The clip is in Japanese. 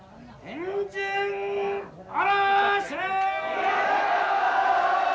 天神嵐！